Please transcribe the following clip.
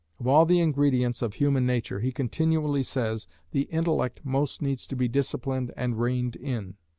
Of all the ingredients of human nature, he continually says, the intellect most needs to be disciplined and reined in.